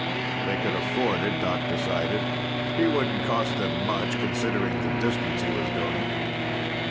They could afford it, Doc decided. He wouldn't cost them much, considering the distance he was going.